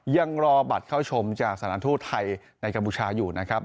ยังรอบัตรเข้าชมจากสถานทูตไทยในกัมพูชาอยู่นะครับ